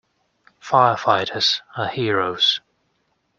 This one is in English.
Firefighters are heroes.